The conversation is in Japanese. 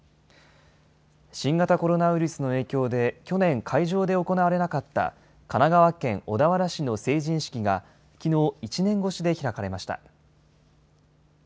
新型コロナウイルスの影響で、去年、会場で行われなかった神奈川県小田原市の成人式が、きのう、１年越しで開かれました。